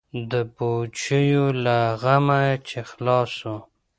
د پوجيو له غمه چې خلاص سو.